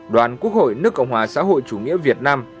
đoàn quốc hội nước cộng hòa xã hội chủ nghĩa việt nam